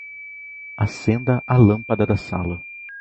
Acenda a lâmpada da sala